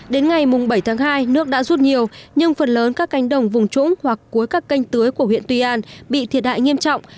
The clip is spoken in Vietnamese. đến ngày bảy tháng hai nước đã rút nhiều nhưng phần lớn các cánh đồng vùng trũng hoặc cuối các canh tưới của huyện tuy an bị thiệt hại nghiêm trọng